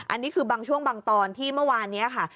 อันนี้คือบางช่วงบางตอนที่เมื่อวานนี้ค่ะ